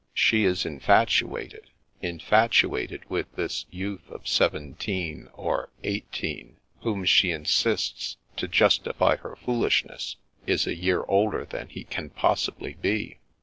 " She is infatuated — infatu ated with this youth of seventeen or eighteen, whom she insists, to justify her foolishness, is a year older than he can possibly be.